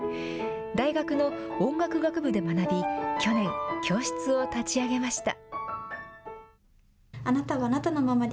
大学の音楽学部で学び、去年、教室を立ち上げました。